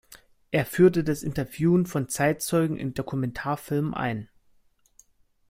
Er führte das Interviewen von Zeitzeugen in Dokumentarfilmen ein.